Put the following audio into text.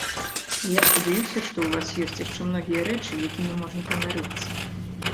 І я спадзяюся, што ў вас ёсць яшчэ многія рэчы, якімі можна ганарыцца.